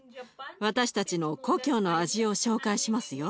私たちの故郷の味を紹介しますよ。